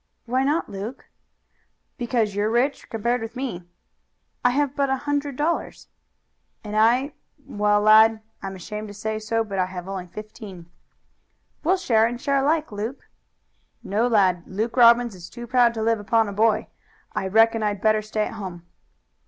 "Why not, Luke?" "Because you're rich compared with me." "I have but a hundred dollars." "And I well, lad, I'm ashamed to say so, but I have only fifteen." "We'll share and share alike, Luke." "No, lad. Luke Robbins is too proud to live upon a boy. I reckon I'd better stay at home."